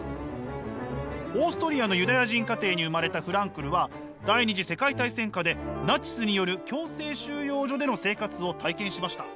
オーストリアのユダヤ人家庭に生まれたフランクルは第２次世界大戦下でナチスによる強制収容所での生活を体験しました。